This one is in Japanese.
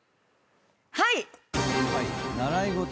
はい！